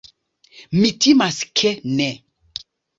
Mi timas, ke ne.